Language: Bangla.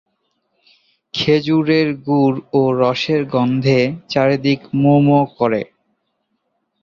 খেজুড়ের গুড় ও রসের গন্ধে চারিদিক মো মো করে।